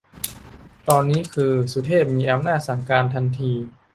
ตอนนี้คือ สุเทพ มีอำนาจสั่งการทันที